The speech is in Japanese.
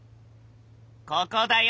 ここだよ